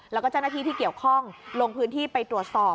แล้วก็เจ้าหน้าที่ที่เกี่ยวข้องลงพื้นที่ไปตรวจสอบ